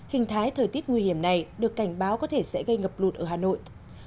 hình thái thời tiết nguy hiểm này được cảnh báo có thể sẽ gây ngập lụt ở hà nội